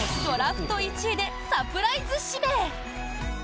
ドラフト１位でサプライズ指名！